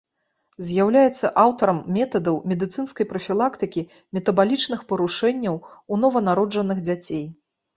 З'яўляецца аўтарам метадаў медыцынскай прафілактыкі метабалічных парушэнняў ў нованароджаных дзяцей.